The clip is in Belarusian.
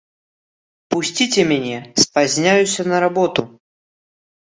Пусціце мяне, спазнюся на работу!